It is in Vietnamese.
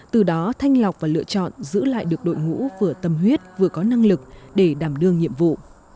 từ đó thanh lọc và lựa chọn giữ lại được đội ngũ vừa tâm huyết vừa có năng lực để đảm đương nhiệm vụ